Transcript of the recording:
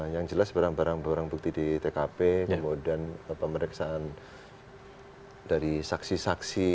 yang jelas barang barang bukti di tkp kemudian pemeriksaan dari saksi saksi